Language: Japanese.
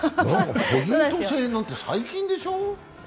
ポイント制なんて最近でしょう？